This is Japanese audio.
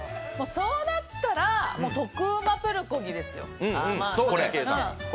そうなったらもう、特うまプルコギですよ。